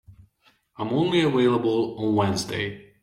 I am only available on Wednesday.